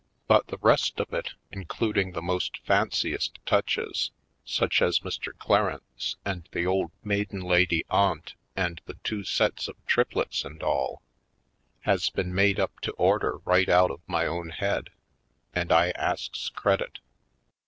But the rest of it, including the most fanciest touches, such as Mr. Clarence and the old maiden lady aunt and the two sets of trip lets and all, has been made up to order right out of my own head, and I asks credit.